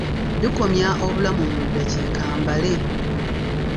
Bikomya obulamu mu ddakiika mbale.